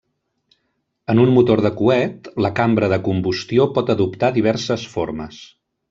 En un motor de coet la cambra de combustió pot adoptar diverses formes.